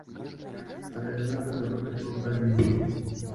Але яна гэта робіць, бо павінна.